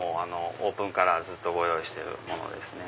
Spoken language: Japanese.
オープンからずっとご用意してるものですね。